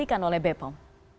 diperhatikan oleh bepom